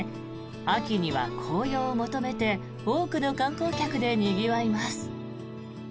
秋には紅葉を求めて多くの観光客でにぎわいます。